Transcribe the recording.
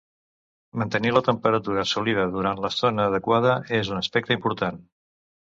Mantenir la temperatura assolida durant l'estona adequada és un aspecte important.